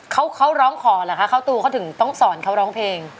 เค้าเค้าร้องขอแหละคะเค้าตูเค้าถึงต้องสอนเค้าร้องเพลง